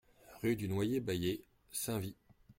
Rue du Noyer Baillet, Saint-Vit